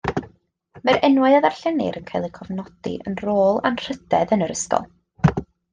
Mae'r enwau a darllenir yn cael eu cofnodi yn Rôl Anrhydedd yr ysgol.